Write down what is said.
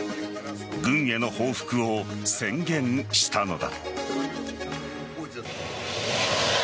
軍への報復を宣言したのだ。